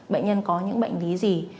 bệnh nhân có những bệnh lý gì